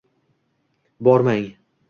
Bormang!